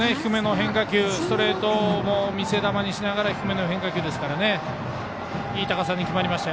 ストレートを見せ球にしながら低めの変化球なのでいい高さに決まりました。